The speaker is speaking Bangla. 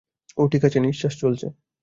ও ঠিক আছে, নিশ্বাস চলছে।